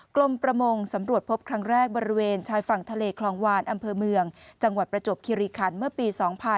ลมประมงสำรวจพบครั้งแรกบริเวณชายฝั่งทะเลคลองวานอำเภอเมืองจังหวัดประจวบคิริคันเมื่อปี๒๕๕๘